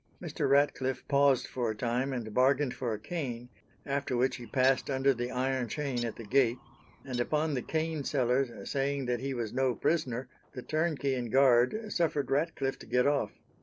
Mr. Ratcliffe paused for a time and bargained for a cane, after which he passed under the iron chain at the gate, and upon the cane seller's saying that he was no prisoner, the turnkey and guard suffered Ratcliffe to get off.